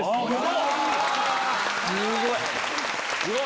すごい！